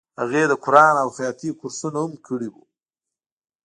هغې د قرآن او خیاطۍ کورسونه هم کړي وو